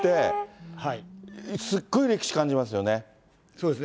そうです。